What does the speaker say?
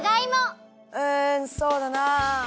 うんそうだな。